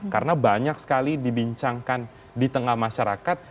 karena banyak sekali dibincangkan di tengah masyarakat